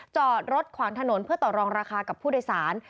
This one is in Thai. จอดรถขวางถนนเพื่อต่อรองราคากับผู้โดยสาร